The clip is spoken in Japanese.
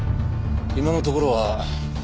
今のところは。